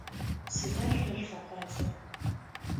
Сыда шъо шъулъэкъуацӏэр?